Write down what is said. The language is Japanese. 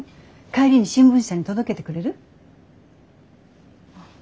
帰りに新聞社に届けてくれる？